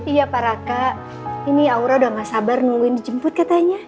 iya para kak ini aura udah gak sabar nungguin dijemput katanya